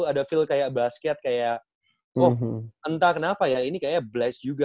ada feel kayak basket kayak wah entah kenapa ya ini kayaknya blast juga